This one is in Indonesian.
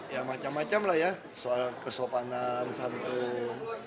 ya macam macam lah ya soal kesopanan santun